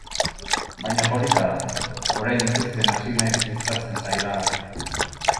Baina polita da, orain ikusten hasi naiz gustatzen zaidala.